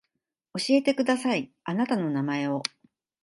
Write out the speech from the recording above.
教えてくださいあなたの名前を